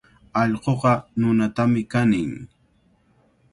Allquqa nunatami kanin.